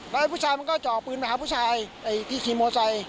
แล้วผู้ชายมันก็เจาะปืนมาหาผู้ชายที่ขี่มอไซค์